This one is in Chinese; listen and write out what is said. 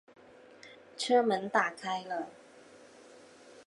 车门打开了